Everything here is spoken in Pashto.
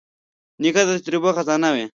نیکه د تجربې خزانه وي.